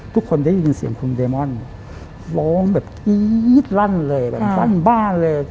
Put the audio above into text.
ทุกคนได้ยินเสียงคุณเดมอนร้องแบบกรี๊ดลั่นเลยแบบลั่นบ้านเลย